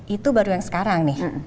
itu baru yang sekarang nih